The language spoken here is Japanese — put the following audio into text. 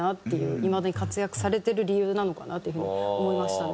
いまだに活躍されてる理由なのかなっていう風に思いましたね。